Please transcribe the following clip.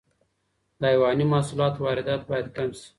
د حیواني محصولاتو واردات باید کم شي.